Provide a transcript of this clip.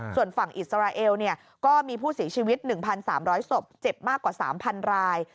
ส่วนฝั่งอิสราเอลก็มีผู้เสียชีวิต๑๓๐๐ศพเจ็บมากกว่า๓๐๐ราย